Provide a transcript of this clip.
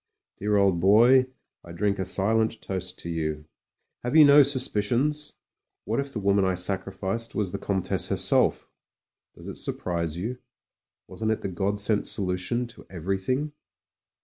Dear old boy, I drink a silent toast to you. Have you no suspicions? What if the woman I sacrificed was the Comtesse herself? Does it surprise you; wasn't it the God sent solution to everything?